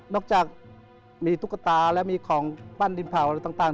จากมีตุ๊กตาและมีของปั้นดินเผาอะไรต่าง